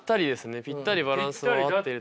ぴったりバランスは合ってる。